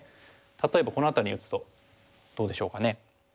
例えばこの辺りに打つとどうでしょうかね。